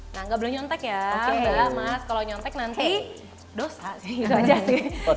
nah nggak boleh nyontek ya mas kalau nyontek nanti dosa sih gitu aja nih